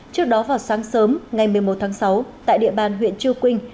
trước đó vào sáng sớm ngày một mươi một tháng sáu tại địa bàn huyện chư quynh